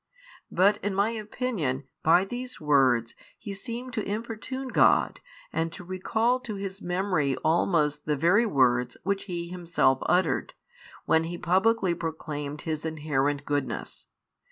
But in my opinion by these words he seemed to importune God and to recall to His memory almost the very words which He Himself uttered, when He publicly proclaimed His inherent goodness.